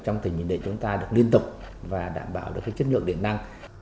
trong tỉnh để chúng ta được liên tục và đảm bảo được chất lượng điện năng